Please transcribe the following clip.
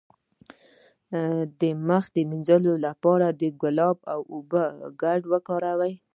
د مخ د مینځلو لپاره د ګلاب او اوبو ګډول وکاروئ